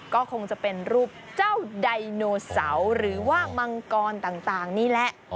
ก็คงจะเป็นรูปเจ้าไดโนเสาหรือว่ามังกรต่างนี่แหละ